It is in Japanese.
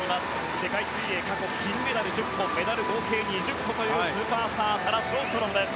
世界水泳、過去金メダル１０個メダル合計２０個というスーパースターサラ・ショーストロムです。